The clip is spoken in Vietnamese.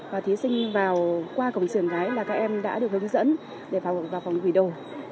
và thí sinh qua cổng trường gái là các em đã được hướng dẫn để vào phòng quỷ đồ